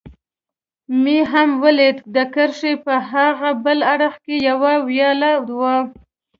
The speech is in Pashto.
مې هم ولید، د کرښې په هاغه بل اړخ کې یوه ویاله وه.